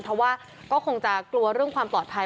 เพราะว่าก็คงจะกลัวเรื่องความปลอดภัย